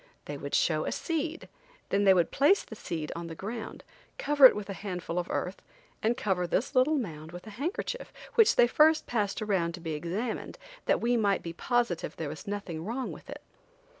They would show a seed, then they would place the seed on the ground, cover it with a handful of earth, and cover this little mound with a handkerchief, which they first passed around to be examined, that we might be positive there was nothing wrong with it.